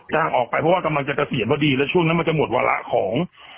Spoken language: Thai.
ออกไปเพราะว่ากำลังจะเกษียณพอดีแล้วช่วงนั้นมันจะหมดวาระของ